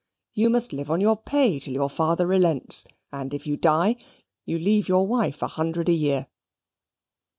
You must live on your pay till your father relents, and if you die, you leave your wife a hundred a year."